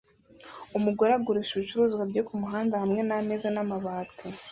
Umugore agurisha ibicuruzwa bye kumuhanda hamwe nameza namabati